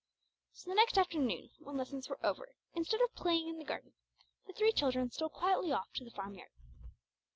So the next afternoon when lessons were over, instead of playing in the garden, the three children stole quietly off to the farmyard.